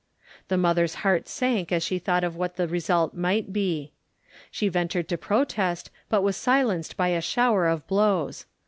The mother's heart sank as she thought of what the result might be. She ventured to protest but was silenced by a shower of blows.